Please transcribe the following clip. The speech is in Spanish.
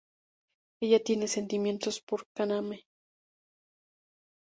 Ella tiene sentimientos por Kaname.